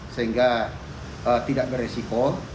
sehingga tidak beresiko